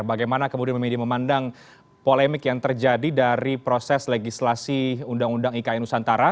bagaimana kemudian media memandang polemik yang terjadi dari proses legislasi undang undang ikn nusantara